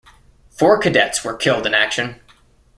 Four cadets were killed in action.